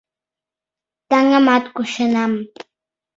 — Таҥымат кученам.